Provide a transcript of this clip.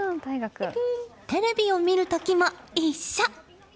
テレビを見る時も一緒。